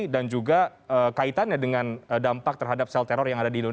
dan juga kaitannya dengan dampak terhadap sel teror yang ada di luar negara